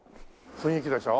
雰囲気でしょ？